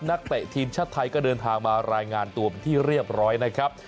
เตะทีมชาติไทยก็เดินทางมารายงานตัวเป็นที่เรียบร้อยนะครับ